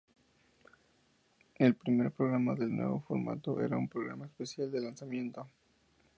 El primer programa del nuevo formato era un programa especial de lanzamiento.